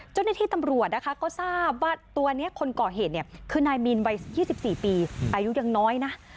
เจ้าหน้าที่ตำรวจนะคะก็ทราบว่าตัวนี้คนก่อเหตุเนี่ยคือนายมีนวัย๒๔ปีอายุยังน้อยนะ